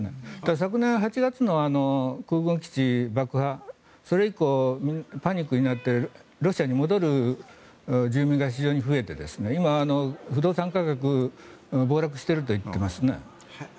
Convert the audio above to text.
昨年８月の空軍基地爆破それ以降、パニックになってロシアに戻る住民が非常に増えて今、不動産価格が暴落しているといってますね。